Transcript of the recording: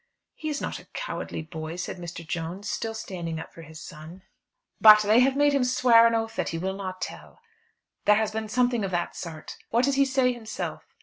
"He is not a cowardly boy," said Mr. Jones, still standing up for his son. "But they have made him swear an oath that he will not tell. There has been something of that sort. What does he say himself?"